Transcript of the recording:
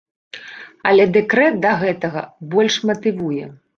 Але дэкрэт да гэтага, больш матывуе.